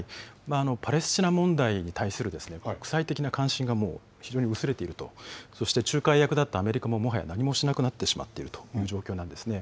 パレスチナ問題に対する国際的な関心が非常に薄れていると、そして仲介役だったアメリカももはや何もしなくなっているという状況なんですね。